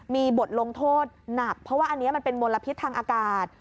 มีบทลงโทษหนักเพราะว่าอันนี้มันเป็นมลพิษทางอากาศ